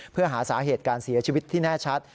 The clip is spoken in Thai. เพื่อหาสาเหตุการเสียชีวิตที่แน่ชัด